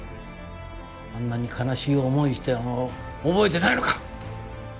あんなに悲しい思いしたのを覚えてないのか！